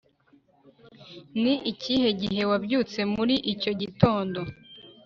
Ni ikihe gihe wabyutse muri icyo gitondo